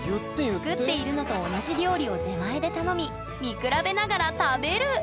作っているのと同じ料理を出前で頼み見比べながら食べる！